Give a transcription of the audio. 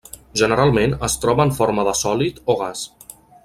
Generalment es troba en forma de sòlid o gas.